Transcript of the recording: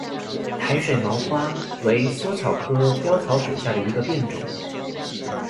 台水毛花为莎草科藨草属下的一个变种。